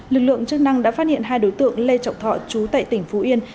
lực lượng chức năng đã phát hiện hai đối tượng lê trọng thọ chú tại tỉnh phú yên